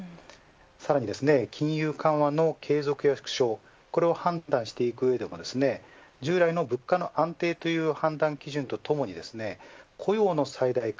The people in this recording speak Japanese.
さらに金融緩和の継続やふくしょうこれを判断していく上でも従来の物価の安定という判断基準とともに雇用の最大化